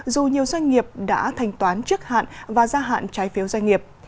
dù nhiều doanh nghiệp đã thành toán trước hạn và ra hạn trái phiếu doanh nghiệp